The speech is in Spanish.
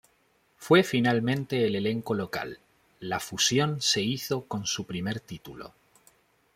Fue finalmente el elenco local, "la fusión" se hizo con su primer título.